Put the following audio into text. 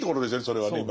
それはね。